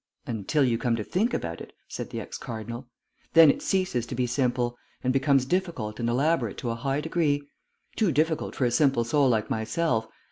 "Until you come to think about it," said the ex cardinal. "Then it ceases to be simple, and becomes difficult and elaborate to a high degree. Too difficult for a simple soul like myself.